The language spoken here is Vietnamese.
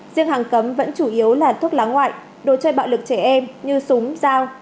riêng hàng cấm vẫn chủ yếu là thuốc lá ngoại đồ chơi bạo lực trẻ em như súng dao